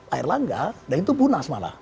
air langga dan itu punas malah